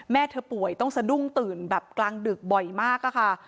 แม่เธอป่วยต้องสะดุ้งตื่นแบบกลางดึกบ่อยมากอะค่ะ